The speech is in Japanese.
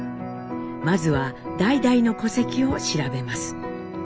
まずは代々の戸籍を調べます。